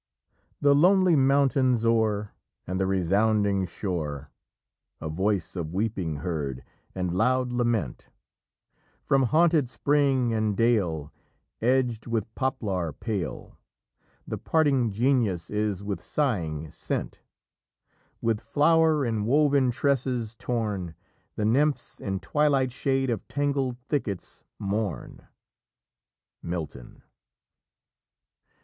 _" "The lonely mountains o'er And the resounding shore, A voice of weeping heard, and loud lament; From haunted spring and dale Edg'd with poplar pale, The parting genius is with sighing sent; With flow'r inwoven tresses torn, The Nymphs in twilight shade of tangled thickets mourn." Milton.